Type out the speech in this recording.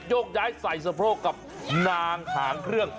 ยกย้ายใส่สะโพกกับนางหางเครื่อง